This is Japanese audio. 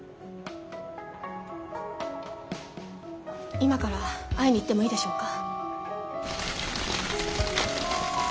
今から会いに行ってもいいでしょうか？